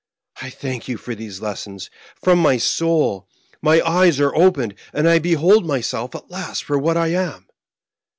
I thank you for these lessons from my soul ; my eyes are opened, and I behold myself at last for what I am."